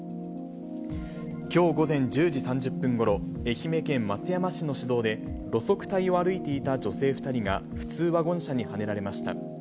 きょう午前１０時３０分ごろ、愛媛県松山市の市道で、路側帯を歩いていた女性２人が普通ワゴン車にはねられました。